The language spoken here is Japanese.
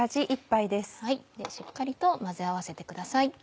しっかりと混ぜ合わせてください。